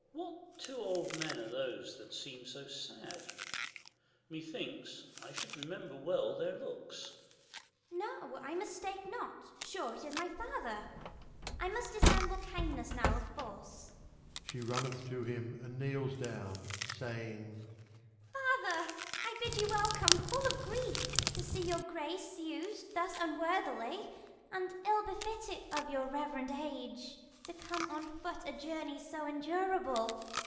Cam. What two old men are those that seem so sad ? Methinks, I should remember well their looks. Ragan. No, I mistake not, sure it is my father : 30 I must djsjejnM&kinHnpsa now of force. She runneth to him, and kneels down, saying : Father, I bid you welcome, full of grief, To see your grace us'd thus unworthily, And ill befitting for your reverend age, To come on foot a journey so endurable.